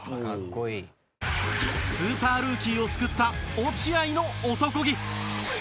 スーパールーキーを救った落合の男気！